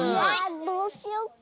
どうしよっか。